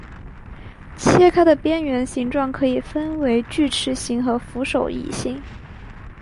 切开的边缘形状可以分为锯齿形和扶手椅形。